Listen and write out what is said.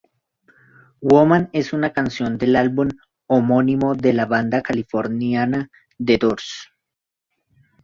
Woman es una canción del álbum homónimo de la banda californiana The Doors.